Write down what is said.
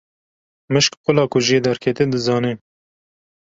Mişk qula ku jê derketiye dizane.